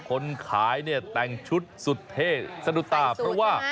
คนขายเนี่ยแต่งชุดสุดเทศสะดุตาเพราะว่า